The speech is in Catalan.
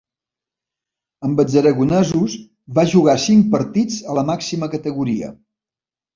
Amb els aragonesos, va jugar cinc partits a la màxima categoria.